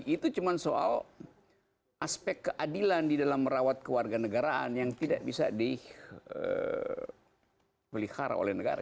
itu cuma soal aspek keadilan di dalam merawat kewarganegaraan yang tidak bisa dipelihara oleh negara